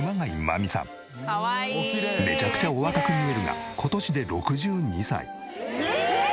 めちゃくちゃお若く見えるが今年で６２歳。ええーっ！